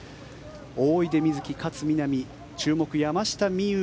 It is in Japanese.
大出瑞月、勝みなみ注目、山下美夢